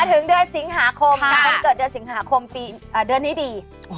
ถึงเดือนสิงหาคมคนเกิดเดือนสิงหาคมปีเดือนนี้ดี